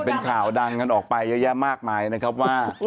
เป็นข่าวดังกันออกไปเยอะแยะมากมายนะครับว่า